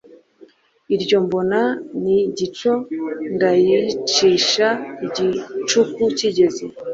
Iryo mbona mu gicoNdyicisha igicuku kigeze